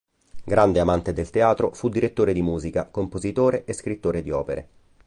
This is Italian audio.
Grande amante del teatro, fu direttore di musica, compositore e scrittore di opere.